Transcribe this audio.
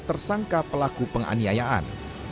tersangka pelaku penganiayaan